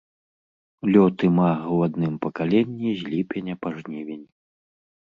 Лёт імага ў адным пакаленні з ліпеня па жнівень.